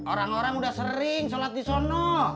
orang orang udah sering sholat di sana